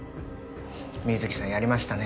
水木さんやりましたね